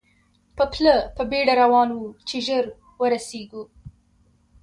پر پله په بېړه روان وو، چې ژر ورسېږو.